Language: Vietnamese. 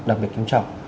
đặc biệt kiếm trọng